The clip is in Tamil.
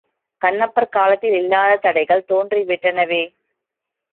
கண்ணப்பர் காலத்தில் இல்லாத தடைகள் தோன்றிவிட்டனவே!